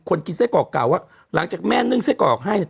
คนกินไส้กรอกเก่าว่าหลังจากแม่นึ่งไส้กรอกให้เนี่ย